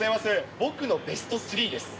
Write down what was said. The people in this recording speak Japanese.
僕のベスト３です。